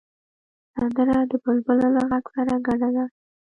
سندره د بلبله له غږ سره ګډه ده